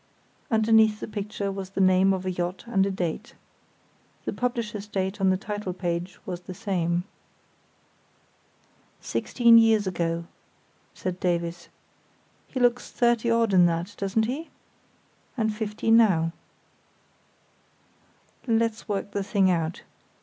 Underneath the picture was the name of a yacht and a date. The publisher's date on the title page was the same. "Sixteen years ago," said Davies. "He looks thirty odd in that, doesn't he? And fifty now." "Let's work the thing out.